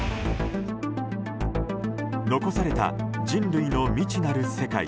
残された人類の未知なる世界